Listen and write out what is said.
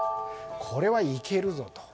これは、いけるぞと。